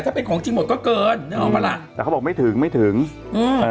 ถ้าเป็นของจริงหมดก็เกินนึกออกปะล่ะแต่เขาบอกไม่ถึงไม่ถึงอืมเอ่อ